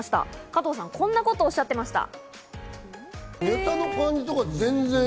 加藤さん、こんなことをおっしゃっていました。